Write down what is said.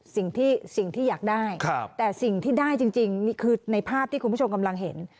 สิ่งที่สิ่งที่อยากได้แต่สิ่งที่ได้จริงนี่คือในภาพที่คุณผู้ชมกำลังเห็น